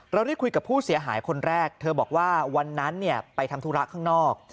เราได้คุยกับผู้เสียหายคนแรกเธอบอกว่าวันนั้นไปทำธุระข้างนอก